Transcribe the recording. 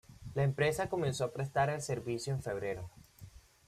La empresa comenzó a prestar el servicio en febrero.